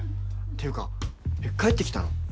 っていうかえっ帰ってきたの？